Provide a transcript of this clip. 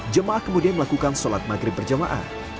jemaah kemudian melakukan sholat maghrib berjamaah